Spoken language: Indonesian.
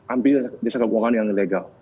ambil desa keuangan yang ilegal